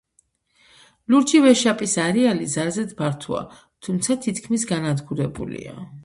ლურჯი ვეშაპის არეალი ძალზე ფართოა, თუმცა თითქმის განადგურებულია.